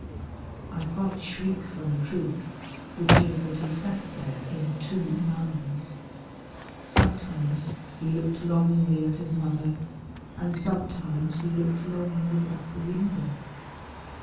I quite shrink from the truth, which is that he sat there in two minds. Sometimes he looked longingly at his mother, and sometimes he looked longingly at the window.